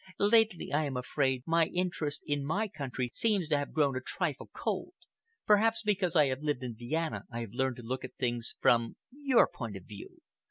Lately, I am afraid, my interest in my country seems to have grown a trifle cold. Perhaps because I have lived in Vienna I have learned to look at things from your point of view.